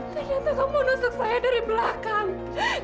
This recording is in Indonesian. ternyata kamu nusuk saya dari belakang